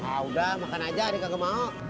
ah udah makan aja deh gak mau